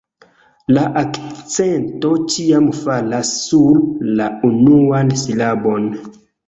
La akcento ĉiam falas sur la unuan silabon.